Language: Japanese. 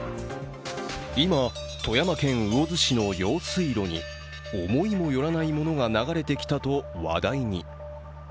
今、富山県魚津市の用水路に思いもよらないものが流れてきたと話題に。